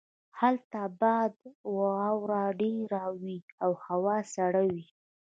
هلته باد او واوره ډیره وی او هوا سړه وي